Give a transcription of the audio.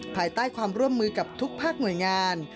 ภายใต้ความร่วมมือกับทุกภาคหน่วยงาน